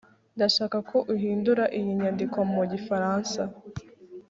ndashaka ko uhindura iyi nyandiko mu gifaransa